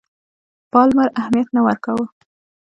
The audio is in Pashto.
پالمر اهمیت نه ورکاوه.